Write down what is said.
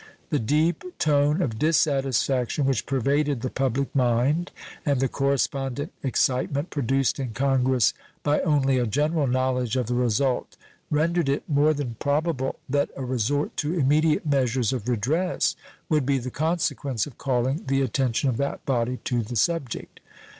The deep tone of dissatisfaction which pervaded the public mind and the correspondent excitement produced in Congress by only a general knowledge of the result rendered it more than probable that a resort to immediate measures of redress would be the consequence of calling the attention of that body to the subject.